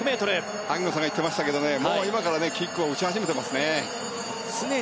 萩野さんが言ってましたけどもうキックを打ち始めていますね。